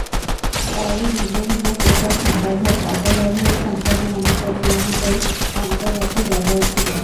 তাই ভিন্ন ভিন্ন পোশাক, খাদ্যাভ্যাস, আচার-ব্যবহারসম্পন্ন মানুষের নিয়মিতই আমাদের বাসায় যাতায়াত ছিল।